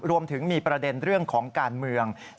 รวมถึงมีประเด็นเรื่องของการเมือง